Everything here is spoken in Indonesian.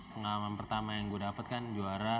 pengalaman pertama yang gua dapet kan juara